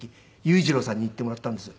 裕次郎さんに言ってもらったんです。